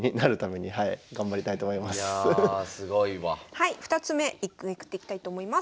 はい２つ目めくっていきたいと思います。